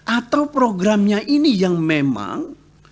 atau programnya ini yang memang